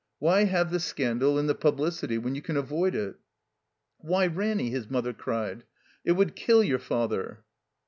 Why have the scandal and the publidty when you can avoid it?" "Why, Ranny," his mother cried, "it would kill yoiu" Father."